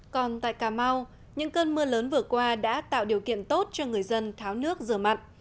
còn tại cà mau những cơn mưa lớn vừa qua đã tạo điều kiện tốt cho người dân tháo nước rửa mặn